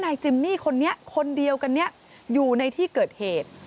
จิมมี่คนนี้คนเดียวกันนี้อยู่ในที่เกิดเหตุ